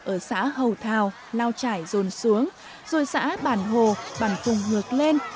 ở xã hầu thào lao chải rồn xuống rồi xã bản hồ bằng phùng ngược lên